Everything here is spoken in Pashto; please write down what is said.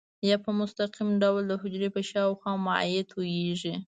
یا په مستقیم ډول د حجرې په شاوخوا مایع کې تویېږي.